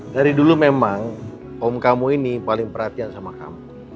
dari dulu memang om kamu ini paling perhatian sama kamu